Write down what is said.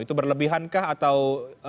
itu berlebihan kah atau